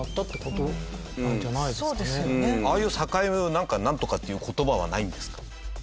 ああいう境目をなんかなんとかっていう言葉はないんですか？